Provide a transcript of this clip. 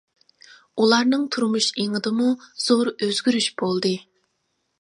ئۇلارنىڭ تۇرمۇش ئېڭىدىمۇ زور ئۆزگىرىش بولدى.